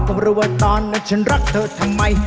ก็ไม่รู้ว่าตอนนั้นฉันรักเธอทำไม